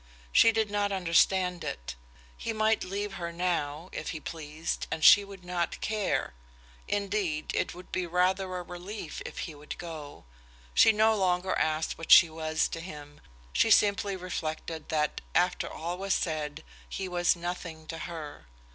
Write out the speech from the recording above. She did not understand it. He might leave her now, if he pleased, and she would not care; indeed, it would be rather a relief if he would go. She no longer asked what she was to him, she simply reflected that, after all was said, he was nothing to her.